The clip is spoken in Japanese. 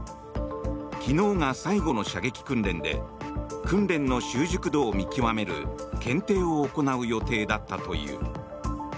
昨日が最後の射撃訓練で訓練の習熟度を見極める検定を行う予定だったという。